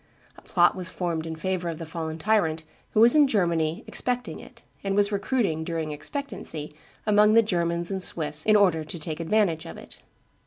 A plot was formed in favor of the fallen tyrant, who was in Germany expecting it, and was recruiting, during expectancy, amongst the Germans and Swiss in order to take advantage of it.